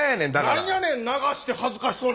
なんやねん流して恥ずかしそうに。